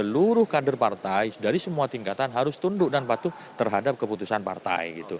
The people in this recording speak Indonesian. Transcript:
dan seluruh kader partai dari semua tingkatan harus tunduk dan patuh terhadap keputusan partai